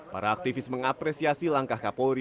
para aktivis mengapresiasi langkah kapolri